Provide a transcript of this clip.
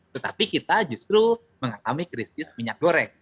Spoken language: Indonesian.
tetapi kita justru mengalami krisis minyak goreng